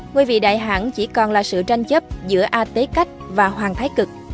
ngôi vị đại hãng chỉ còn là sự tranh chấp giữa a tế cách và hoàng thái cực